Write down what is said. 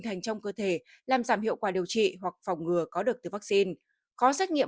thành trong cơ thể làm giảm hiệu quả điều trị hoặc phòng ngừa có được từ vaccine có xét nghiệm